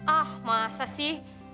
ah masa sih